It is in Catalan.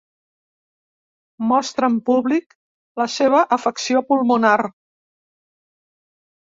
Mostra en públic la seva afecció pulmonar.